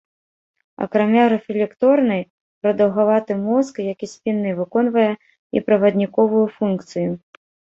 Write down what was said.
Акрамя рэфлекторнай, прадаўгаваты мозг, як і спінны, выконвае і правадніковую функцыю.